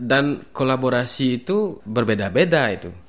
dan kolaborasi itu berbeda beda itu